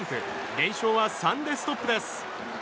連勝は３でストップです。